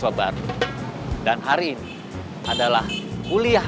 pembalasan telah tiba